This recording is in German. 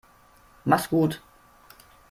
Mach's gut.